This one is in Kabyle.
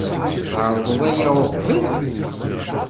Tɛerḍeḍ aya uqbel?